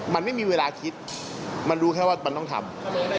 มันไม่มีเวลาคิดมันรู้แค่ว่ามันต้องทำ